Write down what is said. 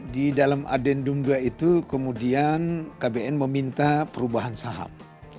di dalam adendum dua itu kemudian kbn meminta perubahan saham